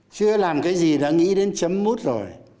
chưa làm cái gì đã nghĩ đến chấm mút rồi